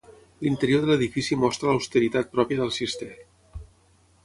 L'interior de l'edifici mostra l'austeritat pròpia del Cister.